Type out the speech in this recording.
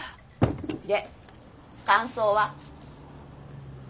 で感想は？